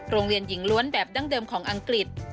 โรงเรียนหญิงล้วนแบบดั้งเดิมของอังกฤษ